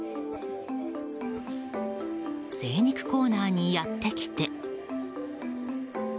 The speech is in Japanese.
精肉コーナーにやってきて。